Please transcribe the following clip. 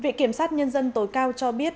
vị kiểm sát nhân dân tối cao cho biết